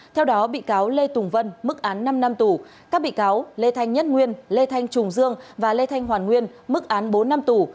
theo đó bị cáo lê tùng vân mức án năm năm tù các bị cáo lê thanh nhất nguyên lê thanh trùng dương và lê thanh hoàn nguyên mức án bốn năm tù